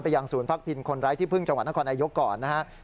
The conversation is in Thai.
ไปยังศูนย์ภักดิ์ทินคนรักที่พึ่งจังหวัดนครอายุก่อนนะครับ